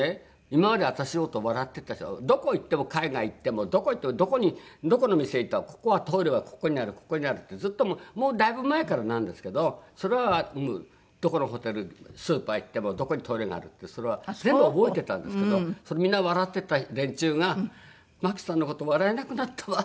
今まで私の事笑ってた人がどこ行っても海外行ってもどこ行ってもどこの店行ってもここはトイレはここにあるここにあるってずっともうだいぶ前からなんですけどそれはもうどこのホテルスーパー行ってもどこにトイレがあるってそれは全部覚えてたんですけどそれみんな笑ってた連中が「麻紀さんの事笑えなくなったわ」